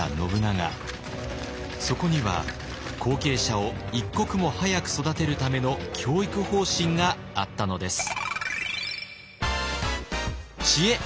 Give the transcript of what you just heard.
そこには後継者を一刻も早く育てるための教育方針があったのです。